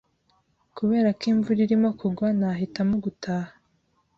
Kubera ko imvura irimo kugwa, nahitamo gutaha.